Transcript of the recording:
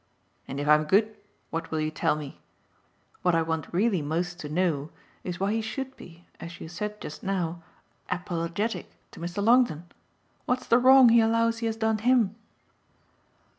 "And if I'm good what will you tell me? What I want really most to KNOW is why he should be, as you said just now, 'apologetic' to Mr. Longdon. What's the wrong he allows he has done HIM?"